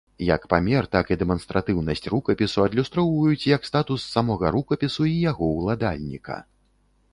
Як памер, так і дэманстратыўнасць рукапісу адлюстроўваюць як статус самога рукапісу і яго уладальніка.